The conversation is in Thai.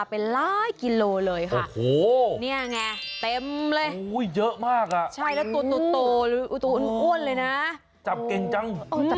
จับเก่งจังอืมจับเก่งเหรอใช่